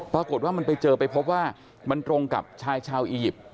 ปรากฏว่ามันไปเจอไปพบว่ามันตรงกับชายชาวอียิปต์